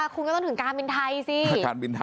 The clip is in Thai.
คุณก็ต้องถึงการบินไทยสิ